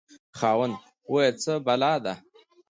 خاوند: وایه څه بلا ده؟